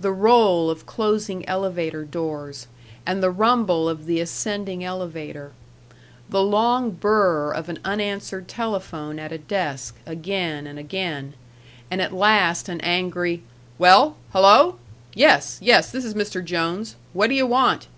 The roll of closing elevator doors, and the rumble of the ascending elevator. The long burr of an unanswered telephone at a desk, again and again; and at last an angry "Well! Hello? Yes, yes; this 's Mr. Jones. What duh yuh want?"